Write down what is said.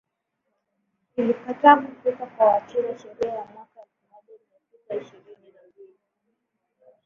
ilikataa kufika kwa Wachina sheria ya mwaka elfumoja miatisa ishirini na mbili